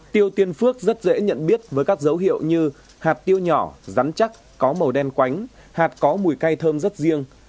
tiêu tiên phước rất dễ nhận biết với các dấu hiệu như hạt tiêu nhỏ rắn chắc có màu đen quánh hạt có mùi cay thơm rất riêng